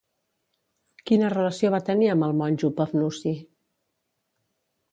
Quina relació va tenir amb el monjo Pafnuci?